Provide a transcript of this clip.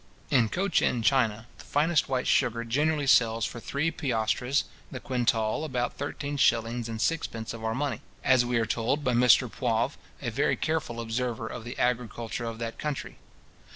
In Cochin China, the finest white sugar generally sells for three piastres the quintal, about thirteen shillings and sixpence of our money, as we are told by Mr Poivre {Voyages d'un Philosophe.}, a very careful observer of the agriculture of that country.